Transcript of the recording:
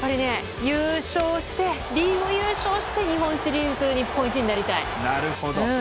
リーグ優勝して日本シリーズ、日本一となりたい。